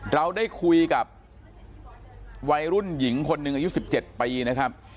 เราได้คุยกับวัยรุ่นหญิงคนหนึ่งอายุ๑๗ปีนะครับ